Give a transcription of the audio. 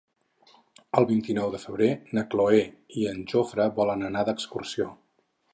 El vint-i-nou de febrer na Cloè i en Jofre volen anar d'excursió.